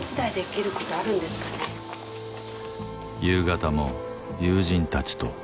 夕方も友人たちと。